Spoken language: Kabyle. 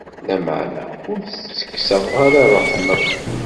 Lameɛna, ur s-ttekkseɣ ara ṛṛeḥma-w.